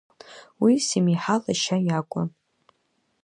Уи Семиҳа лашьа иакәын.